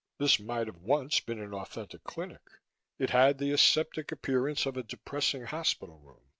This might have once been an authentic clinic; it had the aseptic appearance of a depressing hospital room.